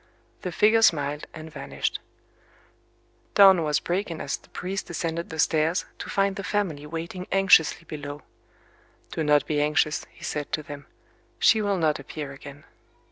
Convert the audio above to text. The figure smiled and vanished. Dawn was breaking as the priest descended the stairs, to find the family waiting anxiously below. "Do not be anxious," he said to them: "She will not appear again."